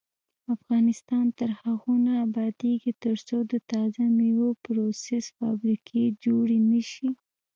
افغانستان تر هغو نه ابادیږي، ترڅو د تازه میوو پروسس فابریکې جوړې نشي.